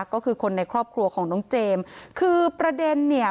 ก็คือคนในครอบครัวของน้องเจมส์คือประเด็นเนี่ย